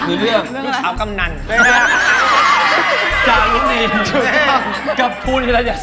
คือเรื่องพี่ขาวกำนันจากลุงดีจากกับธุริยาศาสตร์